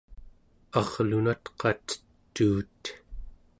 arlunat qatetuut